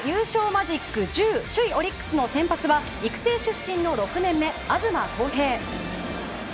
マジック１０、首位オリックスの先発は育成出身の６年目、東晃平。